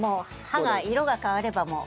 葉が色が変わればもう。